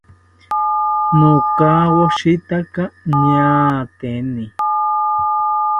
Nokawoshitaka ñaateni